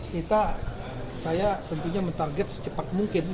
kita saya tentunya mentarget secepat mungkin